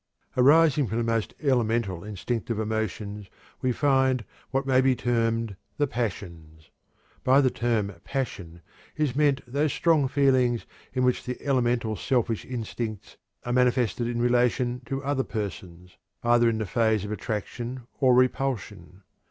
Arising from the most elemental instinctive emotions, we find what may be termed "the passions." By the term "passion" is meant those strong feelings in which the elemental selfish instincts are manifested in relation to other persons, either in the phase of attraction or repulsion.